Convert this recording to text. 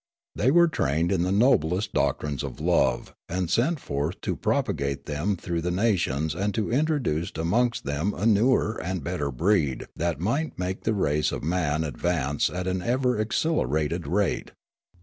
They were trained in the noblest doc trines of love and sent forth to propagate them through the nations and to introduce amongst them a newer and better breed that might make the race of man ad vance at an ever accelerated rate.